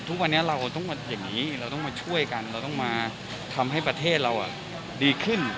ทุกวันนี้เราต้องมาอย่างนี้เราต้องมาช่วยกันเราต้องมาทำให้ประเทศเราดีขึ้น